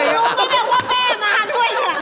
ชูกรู้ไม่ได้ว่าแม่ทดมาทด้วยเนี่ย